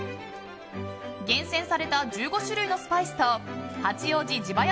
厳選された１５種類のスパイスと八王子地場